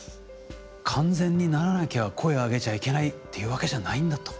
完全にならなきゃ声を上げちゃいけないっていうわけじゃないんだと。